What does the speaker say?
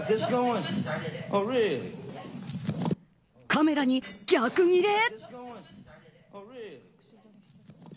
カメラに逆ギレ？